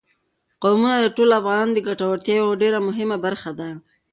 قومونه د ټولو افغانانو د ګټورتیا یوه ډېره مهمه برخه ده.